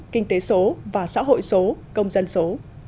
kinh tế số và xã hội số công dân số